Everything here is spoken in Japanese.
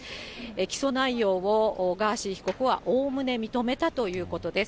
起訴内容を、ガーシー被告はおおむね認めたということです。